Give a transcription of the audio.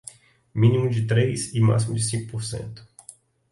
mínimo de três e máximo de cinco por cento